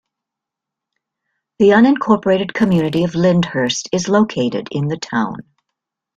The unincorporated community of Lyndhurst is located in the town.